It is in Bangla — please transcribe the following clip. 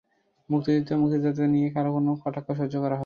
মুক্তিযুদ্ধ এবং মুক্তিযোদ্ধাদের নিয়ে কারও কোনো কটাক্ষ সহ্য করা হবে না।